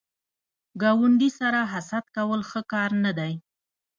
ګاونډي سره حسد کول ښه کار نه دی